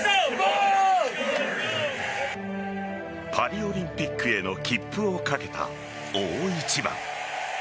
パリオリンピックへの切符を懸けた大一番。